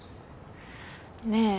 ねえ。